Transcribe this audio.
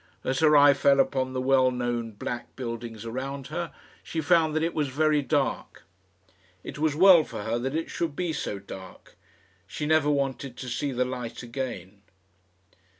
As her eye fell upon the well known black buildings around her, she found that it was very dark. It was well for her that it should be so dark. She never wanted to see the light again.